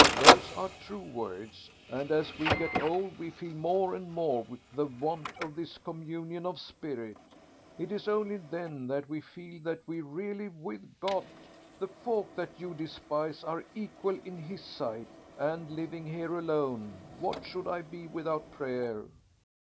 Those are true words, and as we get old we feel more and more the want of this communion of spirit. It is only then that we feel that we're really with God.... The folk that you despise are equal in His sight. And living here alone, what should I be without prayer?